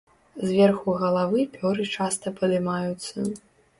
Зверху галавы пёры часта падымаюцца.